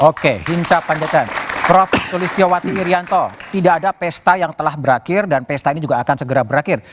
oke hinca panjaitan prof sulistyowati irianto tidak ada pesta yang telah berakhir dan pesta ini juga akan segera berakhir